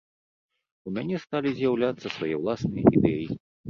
У мяне сталі з'яўляцца свае ўласныя ідэі.